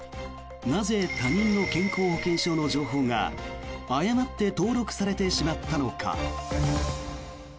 なぜ、他人の健康保険証の情報が誤って登録されてしまったのか。